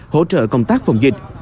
hỗ trợ công tác phòng dịch